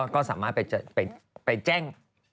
ก็สามารถไปแจ้ง